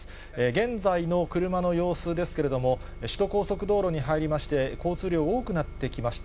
現在の車の様子ですけれども、首都高速道路に入りまして、交通量、多くなってきました。